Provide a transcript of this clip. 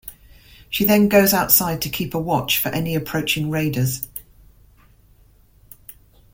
She then goes outside to keep a watch for any approaching raiders.